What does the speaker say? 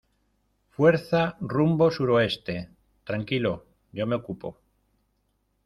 fuerza rumbo suroeste. tranquilo, yo me ocupo